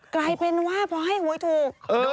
กลายเป็นว่าพอให้หวยถูก